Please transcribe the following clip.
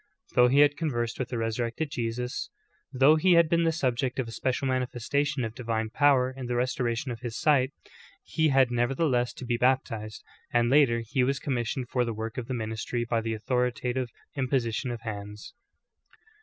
Though he had conversed with the Resurrected Jesus, though he had been the subject of a special manifestation of divine powder in the restoration of his sight, he had nevertheless to be baptized ; and later he was commissioned for the work of the ministry by the authoritative imposition of hands.